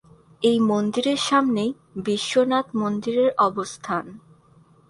এই মন্দিরের সামনেই বিশ্বনাথ মন্দিরের অবস্থান।